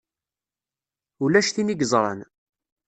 Ulac tin i yeẓṛan.